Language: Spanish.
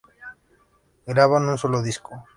Graban un solo disco.